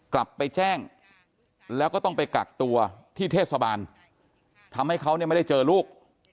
กลับไปแจ้งแล้วก็ต้องไปกักตัวที่เทศบาลทำให้เขาเนี่ยไม่ได้เจอลูก